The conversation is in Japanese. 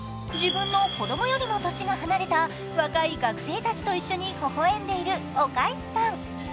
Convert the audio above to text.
自分の子供よりも年が離れた若い学生たちと一緒にほほ笑んでいる岡市さん。